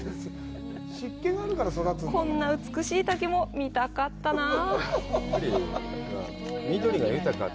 こんな美しい滝も見たかったなぁ。